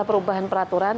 untuk perubahan peraturan